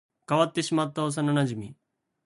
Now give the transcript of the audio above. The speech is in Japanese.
変わってしまった幼馴染